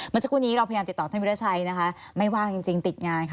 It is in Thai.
เมื่อช่วงนี้เราพยายามติดต่อท่านวิทยาชัยไม่ว่าจริงติดงาน